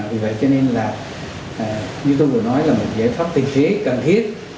vì vậy cho nên là như tôi vừa nói là một giải pháp tình thế cần thiết